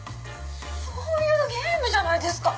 そういうゲームじゃないですか！